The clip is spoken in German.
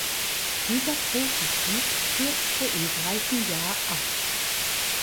Dieser Prototyp stürzte im gleichen Jahr ab.